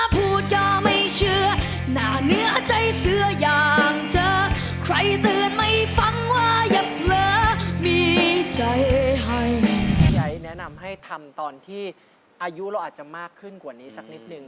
ยายแนะนำให้ทำตอนที่อายุเราอาจจะมากขึ้นกว่านี้สักนิดนึง